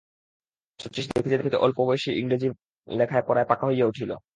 শচীশ দেখিতে দেখিতে অল্প বয়সেই ইংরেজি লেখায় পড়ায় পাকা হইয়া উঠিল।